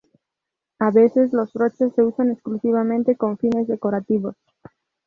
A veces los broches se usan exclusivamente con fines decorativos.